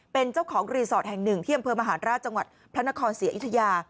เป็นเจ้าของรีสอร์ทแห่งหนึ่งที่อำเภอมหาราชจังหวัดพระนครศรีอยุธยา